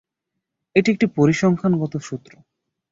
এটি একটি পরিসংখ্যানগত সূত্র।